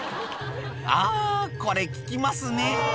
あー、これ、効きますねぇ。